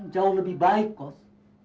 jauh lebih baik kos